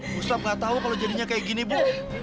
gustaf gak tau kalo jadinya kayak gini bu